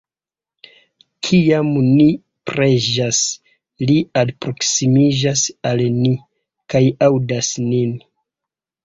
Kiam ni preĝas, Li alproksimiĝas al ni, kaj aŭdas nin.